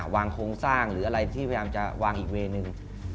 โครงสร้างหรืออะไรที่พยายามจะวางอีกเวย์หนึ่ง